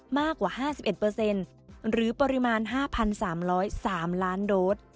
มากกว่า๕๑หรือปริมาณ๕๓๐๓ล้านโดส